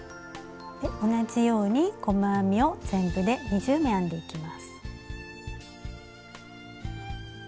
で同じように細編みを全部で２０目編んでいきます。